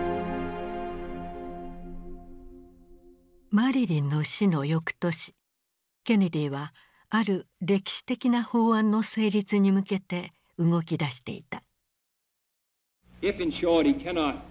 マリリンの死の翌年ケネディはある歴史的な法案の成立に向けて動きだしていた。